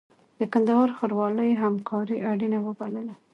د کندهار ښاروالۍ همکاري اړینه وبلله.